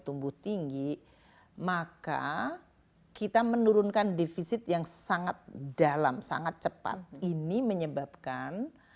tumbuh tinggi maka kita menurunkan defisit yang sangat dalam sangat cepat ini menyebabkan